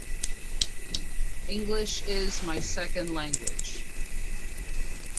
English is my second language.